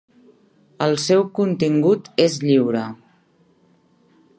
El seu contingut és lliure.